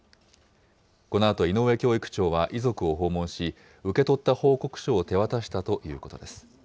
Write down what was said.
このあと井上教育長は遺族を訪問し、受け取った報告書を手渡したということです。